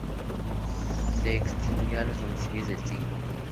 Se extinguió a principios del siglo.